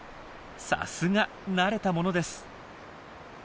さすが慣れたものです。